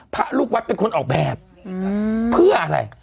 พระลูกวัดเป็นคนออกแบบเพื่ออะไร